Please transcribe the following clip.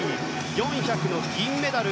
４００で銀メダル。